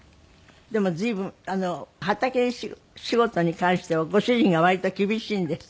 でも随分畑仕事に関してはご主人が割と厳しいんですって？